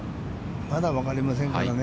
まだ分かりませんからね。